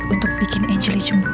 untuk bikin angeli cemburu